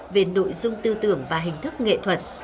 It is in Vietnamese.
về nội dung tư tưởng và hình thức nghệ thuật